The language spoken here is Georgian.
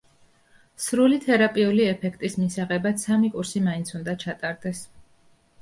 სრული თერაპიული ეფექტის მისაღებად სამი კურსი მაინც უნდა ჩატარდეს.